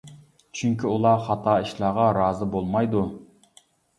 چۈنكى ئۇلار خاتا ئىشلارغا رازى بولمايدۇ.